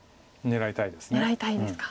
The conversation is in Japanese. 狙いたいんですか。